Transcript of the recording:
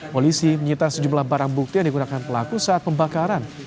polisi menyita sejumlah barang bukti yang digunakan pelaku saat pembakaran